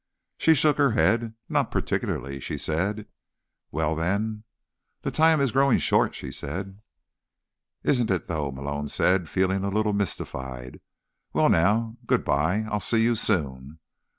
She shook her head. "Not particularly," she said. "Well, then—" "The time is growing short," she said. "Isn't it, though?" Malone said, feeling a little mystified. "Well, now. Goodbye. I'll see you soon."